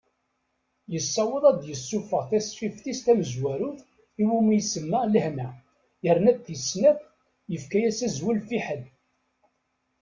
Yessaweḍ ad d-yessufeɣ tasfift-is tamezwarut, iwumi isemma Lehna, yerna-d tis snat, yefka-as azwel Fiḥel.